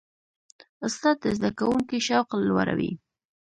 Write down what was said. استاد د زده کوونکي شوق لوړوي.